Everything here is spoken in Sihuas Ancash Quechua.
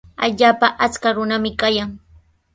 Allaapa achka runami kayan.